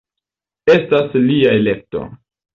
Estas lia elekto.